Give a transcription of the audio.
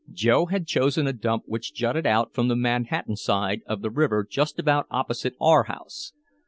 Joe had chosen a dump which jutted out from the Manhattan side of the river just about opposite our house.